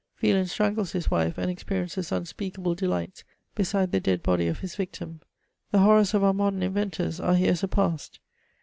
Wieland strangles hb wife, and experiences unspeakable delights beside the dead body of his victim. The horrors of our modem inventors are here surpassed.